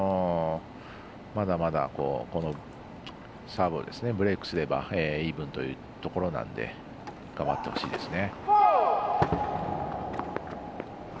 まだまだサーブをブレークすればイーブンというところなので頑張ってほしいですね。